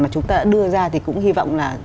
mà chúng ta đã đưa ra thì cũng hy vọng là